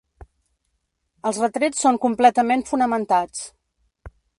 Els retrets són completament fonamentats.